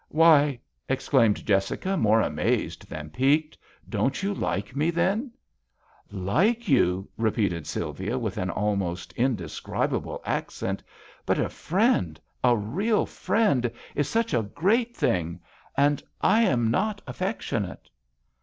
" Why !" exclaimed Jessica, more amazed than piqued, " don't you like me, then ?"" Like you ?" repeated Sylvia, with an almost indescribable accent. But a friend, a real friend, is such a great thing; and I am not affectionate."